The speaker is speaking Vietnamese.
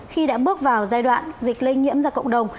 khi đã bước vào giai đoạn dịch lây nhiễm ra cộng đồng